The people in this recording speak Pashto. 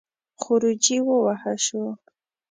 خروجی ووهه شو.